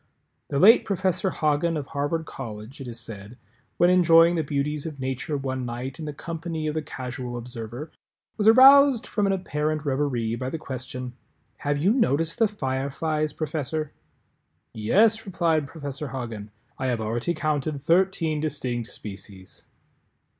The late Professor Hagen of Harvard College, it is said, when enjoying the beauties of Nature one night in the company of the Casual Observer, was aroused from an apparent reverie by the question "Have you noticed the Fireflies, Professor?" "Yes," replied Professor Hagen, "I have already counted thirteen distinct species."